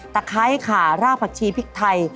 ไคร้ขารากผักชีพริกไทย